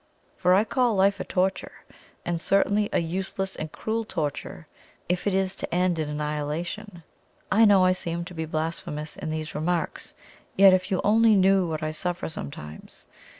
For I call life a torture and certainly a useless and cruel torture if it is to end in annihilation. I know I seem to be blasphemous in these remarks, yet if you only knew what I suffer sometimes!